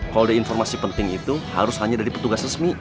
kalau ada informasi penting itu harus hanya dari petugas resmi